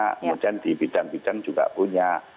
kemudian di bidang bidang juga punya